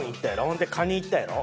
ほんでカニ行ったやろ。